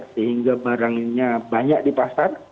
sehingga barangnya banyak di pasar